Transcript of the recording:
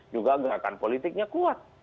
juga gerakan politiknya kuat